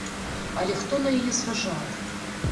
Але хто на яе зважаў?